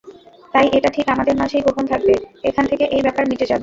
তাই এটা ঠিক আমাদের মাঝেই গোপন থাকবে এখান থেকে এই ব্যাপার মিটে যাবে।